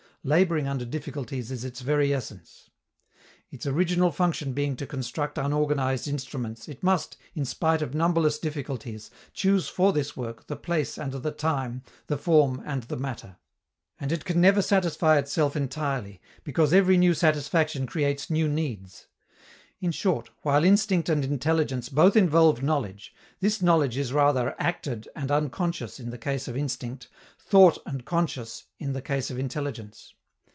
Laboring under difficulties is its very essence. Its original function being to construct unorganized instruments, it must, in spite of numberless difficulties, choose for this work the place and the time, the form and the matter. And it can never satisfy itself entirely, because every new satisfaction creates new needs. In short, while instinct and intelligence both involve knowledge, this knowledge is rather acted and unconscious in the case of instinct, thought and conscious in the case of intelligence.